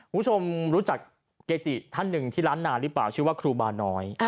คุณผู้ชมรู้จักเกจิท่านหนึ่งที่ร้านนาหรือเปล่าชื่อว่าครูบาน้อย